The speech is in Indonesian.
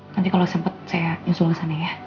nanti kalau sempat saya nyusul ke sana ya